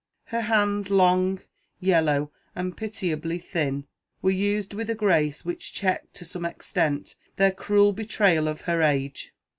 Her hands, long, yellow, and pitiably thin, were used with a grace which checked to some extent their cruel betrayal of her age.